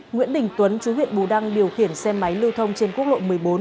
nguyễn đình tuấn chú huyện bù đăng điều khiển xe máy lưu thông trên quốc lộ một mươi bốn